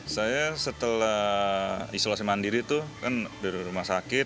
saya setelah isolasi mandiri itu kan dari rumah sakit